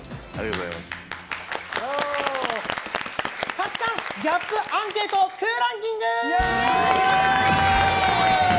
価値観ギャップアンケート空欄キング！